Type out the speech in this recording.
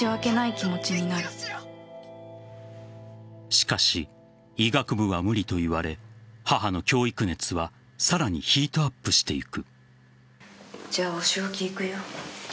しかし、医学部は無理と言われ母の教育熱はさらにヒートアップしていく。